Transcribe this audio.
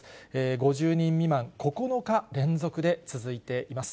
５０人未満、９日連続で続いています。